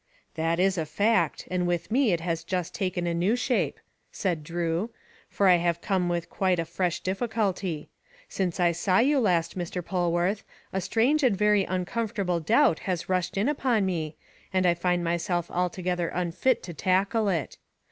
"That is fact; and with me it has just taken a new shape," said Drew, "for I have come with quite a fresh difficulty. Since I saw you last, Mr. Polwarth, a strange and very uncomfortable doubt has rushed in upon me, and I find myself altogether unfit to tackle it.